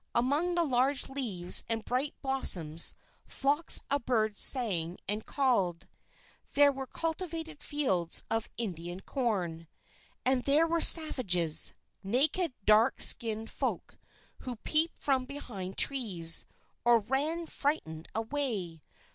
Among the large leaves and bright blossoms, flocks of birds sang and called. There were cultivated fields of Indian corn. And there were savages, naked dark skinned folk, who peeped from behind trees, or ran frightened away.